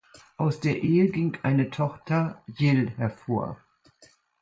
Aus der Ehe ging eine Tochter, Jill, hervor.